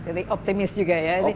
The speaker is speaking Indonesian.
jadi optimis juga ya